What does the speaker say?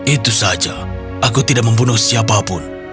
itu saja aku tidak membunuh siapapun